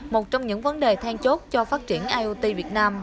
một trong những vấn đề then chốt cho phát triển iot việt nam